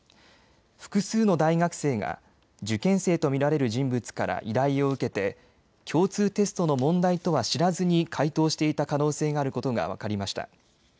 複数の大学生が受験生と見られる人物から依頼を受けて共通テストの問題とは知らずに解答していた可能性があることが分かりました。